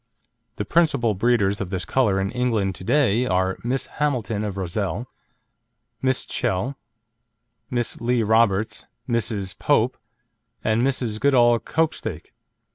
The principal breeders of this colour in England to day are Miss Hamilton of Rozelle, Miss Chell, Miss Lee Roberts, Mrs. Pope, and Mrs. Goodall Copestake.